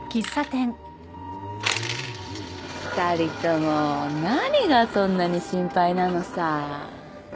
２人とも何がそんなに心配なのさ？